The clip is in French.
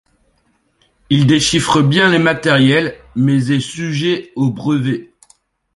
Il déchiffre bien les matériels mais est sujet aux brevets.